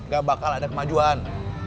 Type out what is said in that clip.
gak bakal ada kemajuan